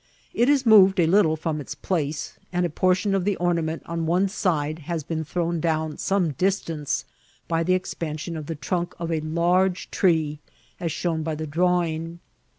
It is moved a little firom its place, and a portion of the ornament on one side has been thrown down some distance by the expansion of the trunk of a large tree, as shown by the drawing.